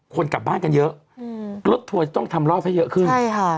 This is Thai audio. คนกลับบ้านกันเยอะอืมรถทัวร์จะต้องทำรอบให้เยอะขึ้นใช่ค่ะ